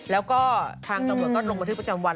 แล้วก็ทางตำรวจก็ลงบันทึกประจำวัน